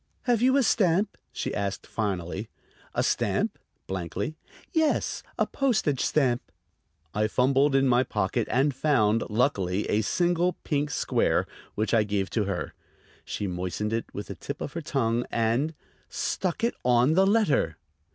"Have you a stamp?" she asked finally. "A stamp?" blankly. "Yes; a postage stamp." I fumbled in my pocket and found, luckily, a single pink square, which I gave to her. She moistened it with the tip of her tongue and ... stuck it on the letter!